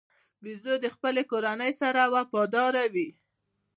بیزو د خپلې کورنۍ سره وفاداره وي.